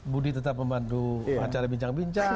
budi tetap membantu acara bincang bincang